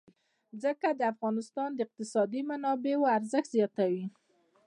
ځمکه د افغانستان د اقتصادي منابعو ارزښت زیاتوي.